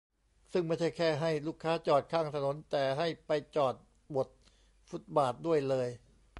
ซึ่งไม่ใช่แค่ให้ลูกค้าจอดข้างถนน แต่ให้ไปจอดบทฟุตบาทด้วยเลย